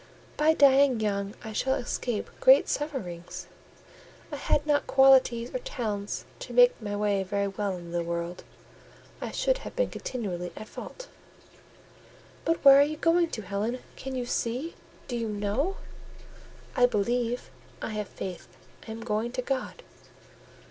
By dying young, I shall escape great sufferings. I had not qualities or talents to make my way very well in the world: I should have been continually at fault." "But where are you going to, Helen? Can you see? Do you know?" "I believe; I have faith: I am going to God."